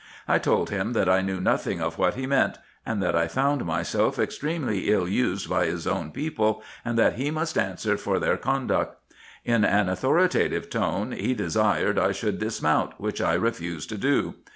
I told him that I knew nothing of what he meant, and that I found myself extremely ill used by his own people, and that he must answer for their conduct. In an authoritative tone he desired I should dismount, which I refused to do.